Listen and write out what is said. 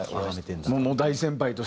もう大先輩としての。